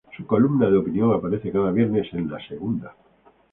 Su columna de opinión aparece cada viernes en "La Segunda".